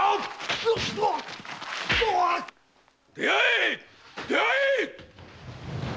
出会え出会え！